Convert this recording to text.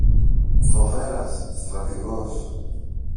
Φοβέρας, στρατηγός